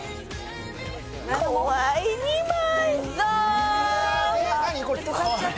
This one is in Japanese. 怖い、２枚！